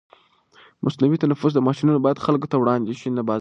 مصنوعي تنفس ماشینونه باید خلکو ته وړاندې شي، نه بازار ته.